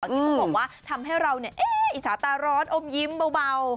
ที่ต้องบอกว่าทำให้เราอิจฉาตาร้อนอมยิ้มเบา